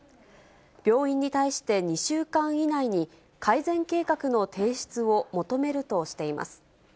病院に対して２週間以内に、改善計画の提出を求めるとしています。